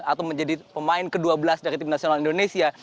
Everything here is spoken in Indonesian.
atau menjadi pemain ke dua belas dari tim nasional indonesia